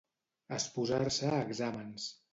Esposar-se a exàmens.